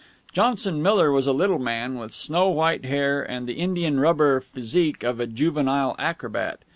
Johnson Miller was a little man with snow white hair and the india rubber physique of a juvenile acrobat.